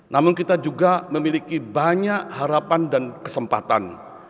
namun kita juga memiliki banyak harapan dan kesempatan